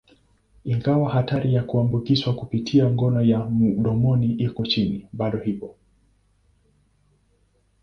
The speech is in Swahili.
Ingawa hatari ya kuambukizwa kupitia ngono ya mdomoni iko chini, bado ipo.